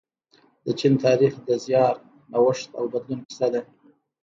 د چین تاریخ د زیار، نوښت او بدلون کیسه ده.